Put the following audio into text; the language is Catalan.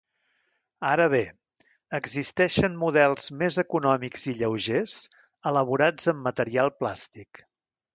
Ara bé, existeixen models més econòmics i lleugers elaborats en material plàstic.